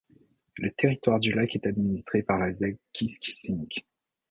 Le territoire du lac est administré par la Zec Kiskissink.